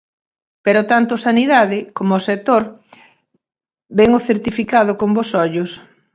Pero tanto Sanidade coma o sector ben o certificado con bos ollos.